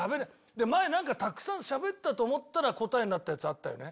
前なんかたくさんしゃべったと思ったら答えになったやつあったよね？